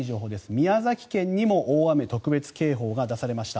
宮崎県にも大雨特別警報が出されました。